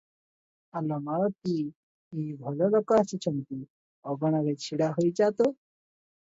ଆଲୋ ମାଳତୀ! ଏହି ଭଲଲୋକ ଆସିଛନ୍ତି, ଅଗଣାରେ ଛିଡ଼ା ହୋଇଯା ତ ।